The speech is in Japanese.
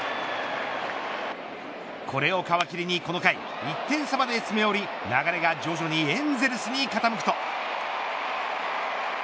これを皮切りにこの回１点差まで詰め寄り流れが徐々にエンゼルスに傾くと。